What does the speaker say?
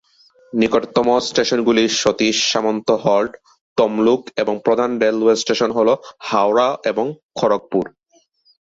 নিকটতম স্টেশনগুলি সতীশ সামন্ত হল্ট, তমলুক এবং প্রধান রেলওয়ে স্টেশন হল হাওড়া এবং খড়গপুর।